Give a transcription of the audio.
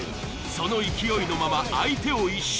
その勢いのまま相手を一蹴。